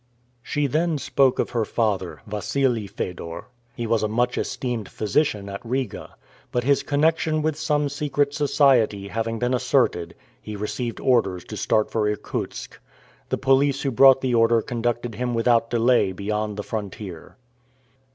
She then spoke of her father, Wassili Fedor. He was a much esteemed physician at Riga. But his connection with some secret society having been asserted, he received orders to start for Irkutsk. The police who brought the order conducted him without delay beyond the frontier.